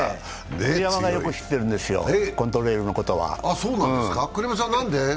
栗山がよく知ってるんですよ、コントレイルのことは。